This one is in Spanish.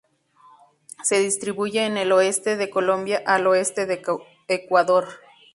Se distribuye en el oeste de Colombia al oeste de Ecuador.